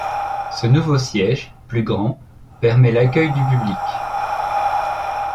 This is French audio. Ce nouveau siège plus grand permet l'accueil du public.